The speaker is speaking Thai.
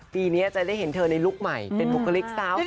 ปีนี้จะได้เห็นเธอนี่ลุกใหม่เป็นกุฟิกเจ๊าคแฟนดีกันบ้าง